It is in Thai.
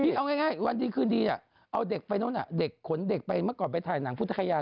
เอาง่ายวันดีคืนดีเอาเด็กไปนู่นเด็กขนเด็กไปเมื่อก่อนไปถ่ายหนังพุทธคยา